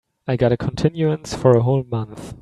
I got a continuance for a whole month.